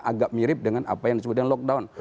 agak mirip dengan apa yang disebutnya lockdown